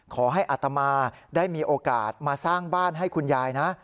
ขอให้อัตมาได้มีโอกาสมาสร้างบ้านให้คุณยายนะ